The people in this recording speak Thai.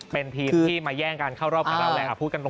เป็นทีมที่มาแย่งกันเข้ารอบกับเราแหละพูดกันตรง